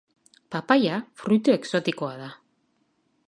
Papaia fruitu exotikoa da.